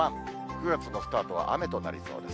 ９月のスタートは雨となりそうです。